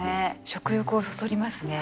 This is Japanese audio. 食欲をそそりますね